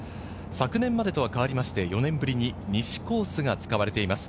昨年までとは変わりまして４年ぶりに西コースが使われています。